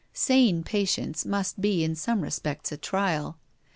Sane patients must be in some respects a trial.